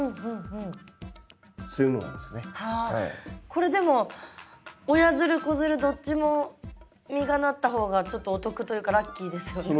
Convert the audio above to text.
これでも親づる子づるどっちも実がなった方がちょっとお得というかラッキーですよね。